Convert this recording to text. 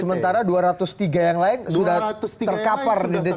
sementara dua ratus tiga yang lain sudah terkapar di dct